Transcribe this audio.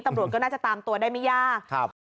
ตำรวจก็น่าจะตามตัวได้ไม่ยากครับ